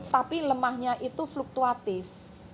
tapi lemahnya itu fluktuatif